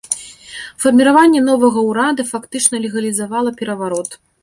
Фарміраванне новага ўрада фактычна легалізавала пераварот.